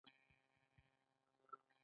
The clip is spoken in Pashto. چینايي بزګران عصري ماشینونه کاروي.